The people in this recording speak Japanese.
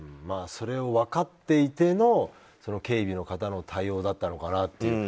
それを分かっていての警備の方の対応だったのかなと。